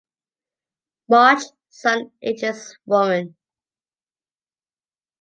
March sun ages women.